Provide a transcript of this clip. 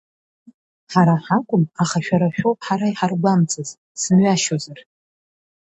Ҳара ҳакәым, аха шәара шәоуп ҳара иҳаргәамҵыз, сымҩашьозар!